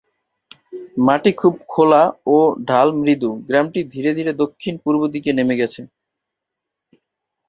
মাটি খুব খোলা, ও ঢাল মৃদু; গ্রামটি ধীরে ধীরে দক্ষিণ-পূর্ব দিকে নেমে গেছে।